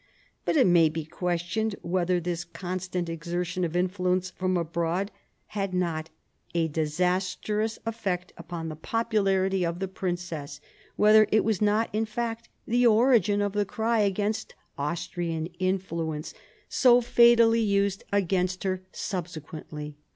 But it may be questioned whether this constant exertion of influence from abroad had not a disastrous effect upon the popularity of the princess, whether it was not, in fact, the origin of the cry against Austrian influence so fatally used against her subsequently.